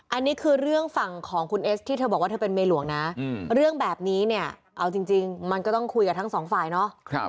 อันนี้คือเรื่องฝั่งของคุณเอสที่เธอบอกว่าเธอเป็นเมียหลวงนะเรื่องแบบนี้เนี่ยเอาจริงมันก็ต้องคุยกับทั้งสองฝ่ายเนาะ